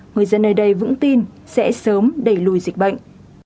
người dân nơi đây vững tin sẽ sớm đẩy lùi dịch bệnh